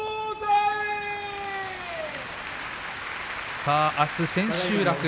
さあ、あす千秋楽